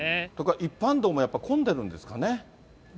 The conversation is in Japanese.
一般道もやっぱ混んでるんですかね。